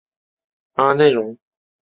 阿内龙。